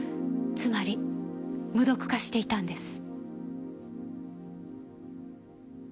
つまり無毒化していたんです。